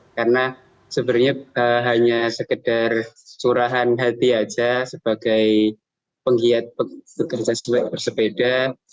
karena sebenarnya hanya sekedar surahan hati saja sebagai penggiat pekerja bersepeda